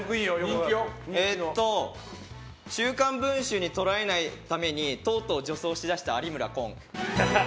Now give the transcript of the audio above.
「週刊文春」に撮られないためにとうとう女装しだした有村昆。